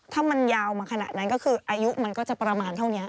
ถ้ามันยาวมาขนาดนั้นก็คืออายุมันก็จะประมาณเท่านี้